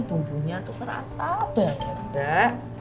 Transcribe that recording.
bumbunya tuh terasa banget